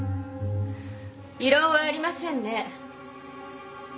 異論はありませんね？